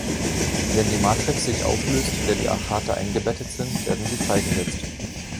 Wenn die Matrix sich auflöst, in der die Achate eingebettet sind, werden sie freigesetzt.